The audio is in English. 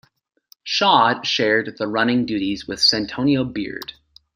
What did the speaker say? Shaud shared the running duties with Santonio Beard.